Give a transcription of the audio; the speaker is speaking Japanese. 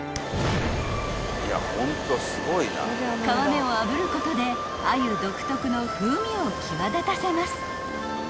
［皮目を炙ることで鮎独特の風味を際立たせます］